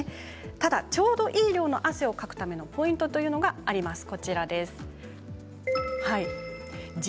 ただちょうどいい量の汗をかくためのポイントというのがあります。